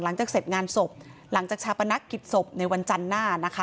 หลังจากเสร็จงานศพหลังจากชาปนักกิจศพในวันจันทร์หน้านะคะ